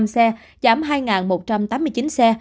năm xe giảm hai một trăm tám mươi chín xe